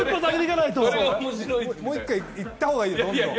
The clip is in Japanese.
もう一回、行ったほうがいいよ、どんどん。